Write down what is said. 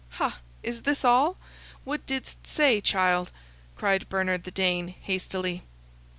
"Ha! is this all? What didst say, child?" cried Bernard the Dane, hastily.